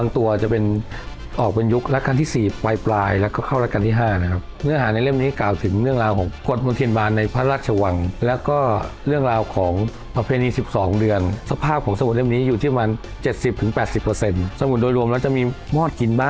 แต่พอได้ยาบฟันหน้าหายไป๒สี้